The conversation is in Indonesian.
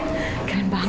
gila dia keren banget